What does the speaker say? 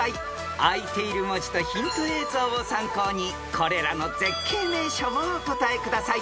［あいている文字とヒント映像を参考にこれらの絶景名所をお答えください］